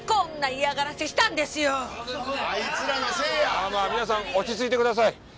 まあまあ皆さん落ち着いてください！